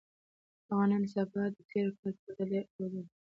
هوا نن سبا د تېر کال په پرتله ډېره توده ده.